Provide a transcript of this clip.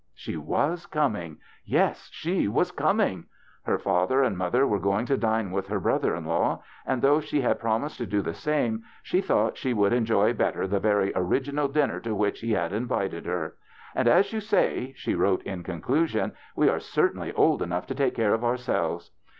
She was coming ; yes, she was coming. Her father and mother were going to dine with her brother in law, and though she had promised to do the same she thought she would enjoy better the very origi nal dinner to which he had invited her. "And, as you say," she wrote in conclusion, *'we are certainly old enough to take care of ourselves."